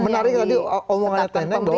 menarik tadi omongannya tnm doang